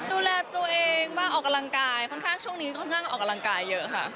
ดูแลตัวเองบ้างออกกำลังกายค่อนข้างช่วงนี้ค่อนข้างออกกำลังกายเยอะค่ะ